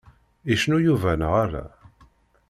Icennu Yuba neɣ ala?